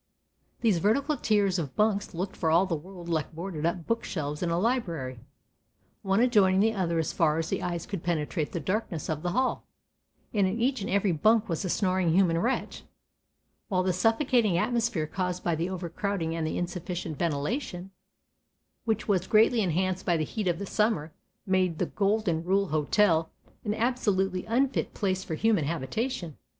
These vertical tiers of bunks looked for all the world like boarded up book shelves in a library, one adjoining the other as far as their eyes could penetrate the darkness of the hall, and in each and every bunk was a snoring human wretch, while the suffocating atmosphere caused by the overcrowding and the insufficient ventilation, which was greatly enhanced by the heat of the summer, made the "Golden Rule Hotel" an absolutely unfit place for human habitation.